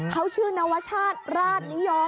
เขาชื่อนวชาติราชนิยม